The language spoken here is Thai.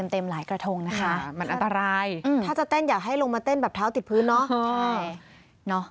ถ้าจะเต้นอย่าให้ลงมาเต้นแบบเท้าติดพื้น